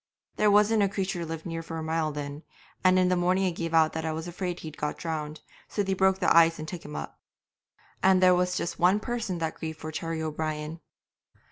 'There wasn't a creature lived near for a mile then, and in the morning I gave out that I was afraid he'd got drowned, so they broke the ice and took him up. And there was just one person that grieved for Terry O'Brien.